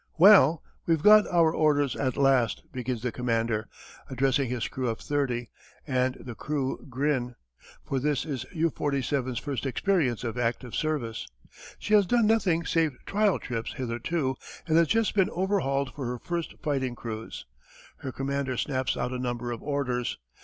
"Well, we've our orders at last," begins the commander, addressing his crew of thirty, and the crew grin. For this is U 47's first experience of active service. She has done nothing save trial trips hitherto, and has just been overhauled for her first fighting cruise. Her commander snaps out a number of orders.